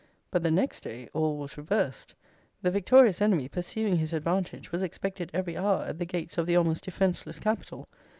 But the next day all was reversed: The victorious enemy, pursuing his advantage, was expected every hour at the gates of the almost defenceless capital.